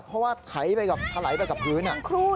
เพราะว่าไถลไปกับพื้น